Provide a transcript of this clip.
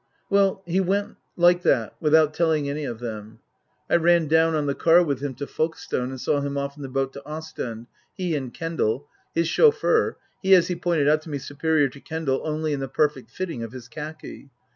Well, he went like that without telling any of them. I ran down on the car with him to Folkestone and saw him off on the boat to Ostend, he and Kendal, his chauffeur he, as he pointed out to me, superior to Kendal only in the perfect fitting of his khaki.